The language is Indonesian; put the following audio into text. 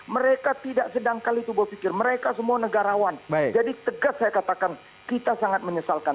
mereka tidak sedang kali itu berpikir mereka semua negarawan jadi tegas saya katakan kita sangat menyesalkan